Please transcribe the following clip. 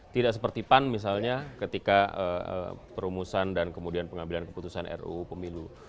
tidak seperti pan misalnya ketika perumusan dan kemudian pengambilan keputusan ruu pemilu